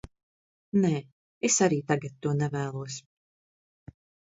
Nē, es arī tagad to nevēlos.